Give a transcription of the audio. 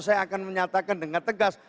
saya akan menyatakan dengan tegas